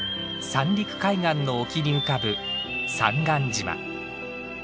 三陸海岸の沖に浮かぶ三貫島。